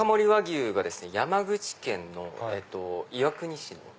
山口県の岩国市の。